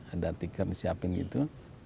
ada tiket disiapkan gitu